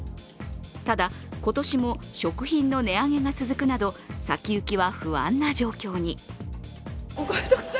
ただ、今年も食品の値上げが続くなど、先行きは不安な状況に。